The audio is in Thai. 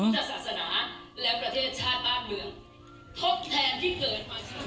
ศาสนาและประเทศชาติบ้านเมืองทดแทนที่เกิดมาค่ะ